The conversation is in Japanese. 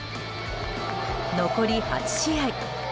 残り８試合。